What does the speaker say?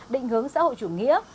định hướng xã hội chủ nghĩa